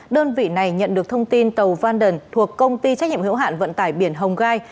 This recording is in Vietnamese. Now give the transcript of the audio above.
đơn vị này nhận được thông tin tàu vanden thuộc công ty trách nhiệm hữu hạn vận tải biển hồng gai